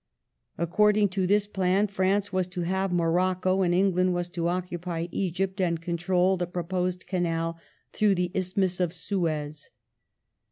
According to this plan France was to have Morocco, and England was to occupy Egypt and control the proposed canal through the Isthmus of Suez.